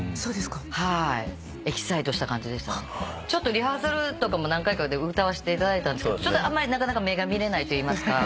リハーサルとかも何回か歌わしていただいたんですけどあんまりなかなか目が見れないといいますか。